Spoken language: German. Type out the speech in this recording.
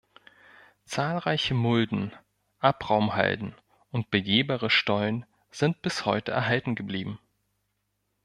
Zahlreiche Mulden, Abraumhalden und begehbare Stollen sind bis heute erhalten geblieben.